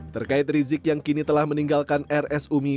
terkait rizik yang kini telah meninggalkan rs umi